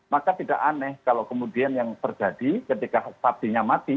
maka tidak aneh kalau kemudian yang terjadi ketika sapinya mati